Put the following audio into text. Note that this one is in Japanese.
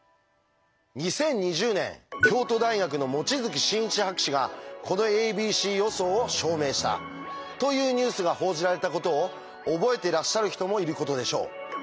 ２０２０年京都大学の望月新一博士がこの「ａｂｃ予想」を証明したというニュースが報じられたことを覚えてらっしゃる人もいることでしょう。